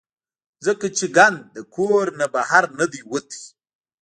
ځکه چې ګند د کور نه بهر نۀ دے وتے -